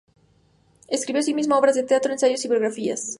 Escribió asimismo obras de teatro, ensayos y biografías.